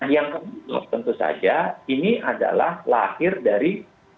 yang kedua tentu saja ini adalah lahir dari